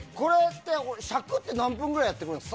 尺って何分ぐらいやってくれるんですか？